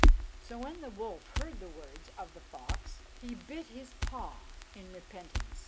So when the wolf heard the words of the fox, he bit his paw in repentance.